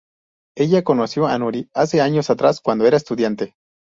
Ella conoció a Nuri hace años atrás cuando era estudiante.